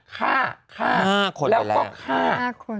ฆ่าแล้วก็ฆ่า